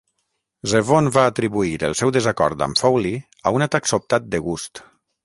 Zevon va atribuir el seu desacord amb Fowley a un atac sobtat de gust.